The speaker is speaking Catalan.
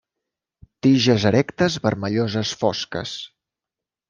Tiges erectes, vermelloses fosques.